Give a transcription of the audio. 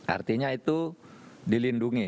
artinya itu dilindungi